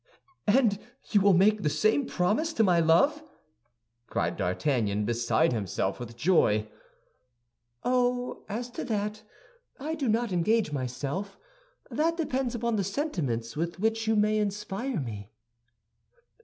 "And will you make the same promise to my love?" cried D'Artagnan, beside himself with joy. "Oh, as to that, I do not engage myself. That depends upon the sentiments with which you may inspire me."